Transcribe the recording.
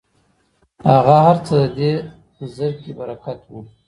هغه هرڅه د دې زرکي برکت و